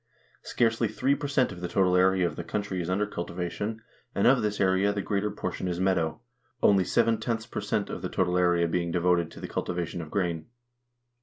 Scarcely 3 per cent of the total area of the country is under cultivation, and of this area the greater portion is meadow ; only ^ per cent of the total area being devoted to the cultivation of grain.